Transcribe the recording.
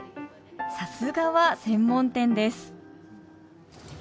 さすがは専門店です